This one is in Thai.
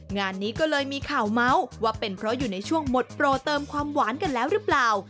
งานนี้ก็เลยมีข่าวเมาส์ว่าเป็นเพราะอยู่ในช่วงหมดโปรเติมความหวานกันแล้วหรือเปล่า